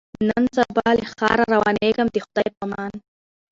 نن دي له ښاره روانېږمه د خدای په امان